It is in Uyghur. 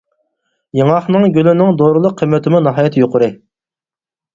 ياڭاقنىڭ گۈلىنىڭ دورىلىق قىممىتىمۇ ناھايىتى يۇقىرى.